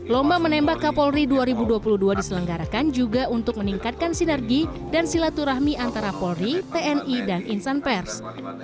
lomba menembak kapolri dua ribu dua puluh dua diselenggarakan juga untuk meningkatkan sinergi dan silaturahmi antara polri tni dan insan pers